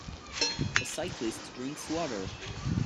A cyclist drinks water